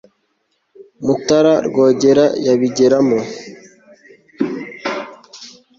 mutara rwogera yabigeramo